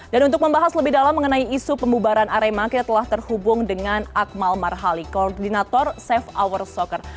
dan untuk membahas lebih dalam mengenai isu pembubaran arema kita telah terhubung dengan akmal marhali koordinator save our soccer